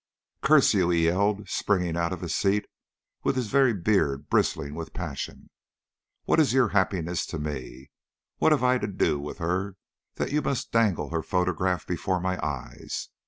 "Curse you!" he yelled, springing out of his seat, with his very beard bristling with passion. "What is your happiness to me? What have I to do with her that you must dangle her photograph before my eyes?"